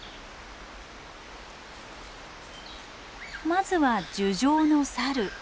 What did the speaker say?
まずは樹上のサル。